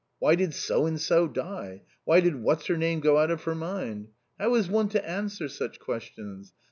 Why did so and so die ? Why did what's her name go out of her mind ? how is one to answer such questions?